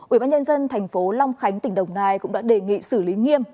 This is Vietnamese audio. ủy ban nhân dân tp long khánh tỉnh đồng nai cũng đã đề nghị xử lý nghiêm